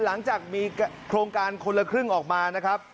หลังจากมีโครงการคนละครึ่งออกมานะครับ